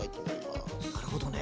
なるほどね。